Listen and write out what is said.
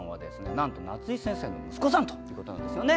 なんと夏井先生の息子さんということなんですよね。